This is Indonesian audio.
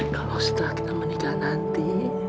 kalau setelah kita menikah nanti